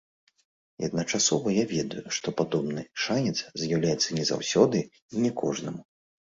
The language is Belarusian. І адначасова я ведаю, што падобны шанец з'яўляецца не заўсёды і не кожнаму.